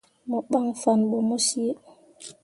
Mo ɓan fanne ɓo mo cii.